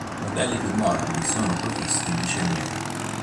Modelli più morbidi sono provvisti di cerniera.